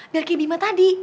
biar kayak bima tadi ya